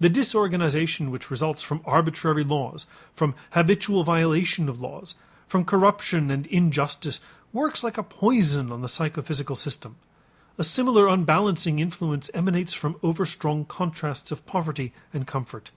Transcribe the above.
The disorganization which results from arbitrary laws, from habitual violation of laws, from corruption and injustice works like a poison on the psychophysical system. A similar unbalancing influence emanates from overstrong contrasts of poverty and comfort.